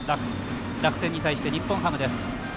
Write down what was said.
楽天に対して、日本ハムです。